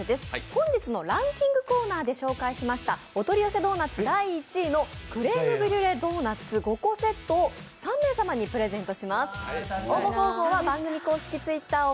本日のランキングコーナーで紹介しました、お取り寄せドーナツ第１位のクレームブリュレドーナツ５個セットを３名様にプレゼントします。